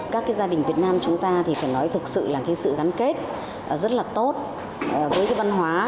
các gia đình việt nam chúng ta thì phải nói thực sự là cái sự gắn kết rất là tốt với cái văn hóa